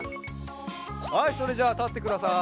はいそれじゃあたってください。